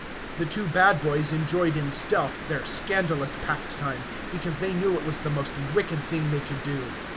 The two bad boys enjoyed in stealth their scandalous pastime, because they knew it was the most wicked thing they could do.